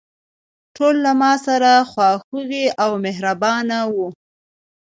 ټول له ماسره خواخوږي او مهربانه وو.